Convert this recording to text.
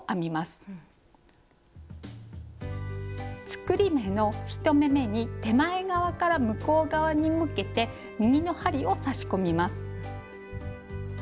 作り目の１目めに手前側から向こう側に向けて右の針を差し込みます。